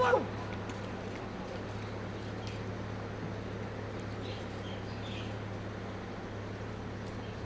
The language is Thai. อัศวินธรรมชาติ